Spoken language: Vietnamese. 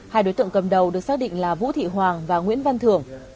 hai đối tượng cầm đầu được xác định là vũ thị hoàng và nguyễn văn thưởng